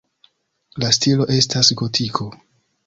La stilo estas gotiko.